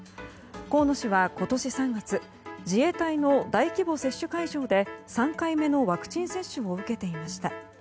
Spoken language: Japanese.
河野氏は今年３月自衛隊の大規模接種会場で３回目のワクチン接種を受けていました。